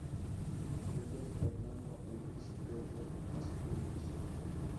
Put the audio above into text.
Entre ellos Fernando, el príncipe de Asturias.